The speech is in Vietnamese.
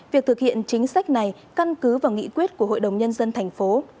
việc thực hiện chính sách này căn cứ vào nghị quyết của hội đồng nhân dân thành phố